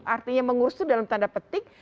artinya mengurus itu dalam tanda petik